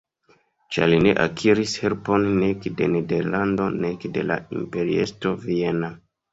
Ĉar li ne akiris helpon nek de Nederlando nek de la imperiestro viena.